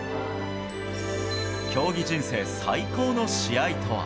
競技人生最高の試合とは。